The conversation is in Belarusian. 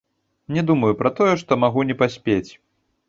Не думаў пра тое, што магу не паспець.